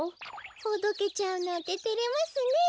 ほどけちゃうなんててれますね。